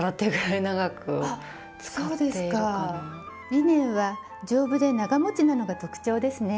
リネンは丈夫で長もちなのが特長ですね。